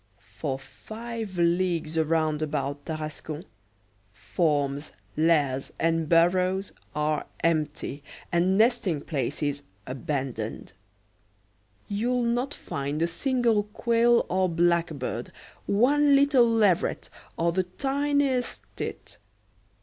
For five leagues around about Tarascon, forms, lairs, and burrows are empty, and nesting places abandoned. You'll not find a single quail or blackbird, one little leveret, or the tiniest tit.